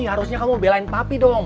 harusnya kamu belain papi dong